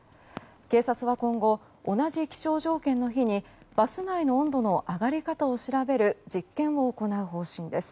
警察は今後、同じ気象条件の日にバス内の温度の上がり方を調べる実験を行う方針です。